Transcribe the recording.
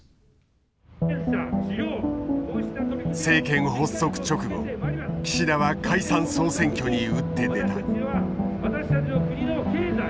政権発足直後岸田は解散総選挙に打って出た。